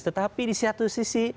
tetapi di satu sisi